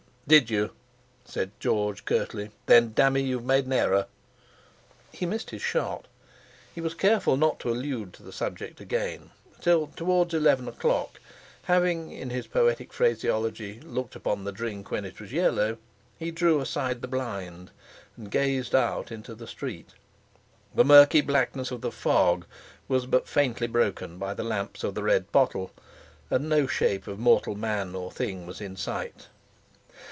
"Did you?" said George curtly. "Then damme you've made an error." He missed his shot. He was careful not to allude to the subject again till, towards eleven o'clock, having, in his poetic phraseology, "looked upon the drink when it was yellow," he drew aside the blind, and gazed out into the street. The murky blackness of the fog was but faintly broken by the lamps of the "Red Pottle," and no shape of mortal man or thing was in sight.